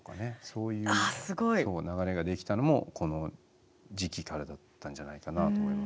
そういう流れができたのもこの時期からだったんじゃないかなと思いますね。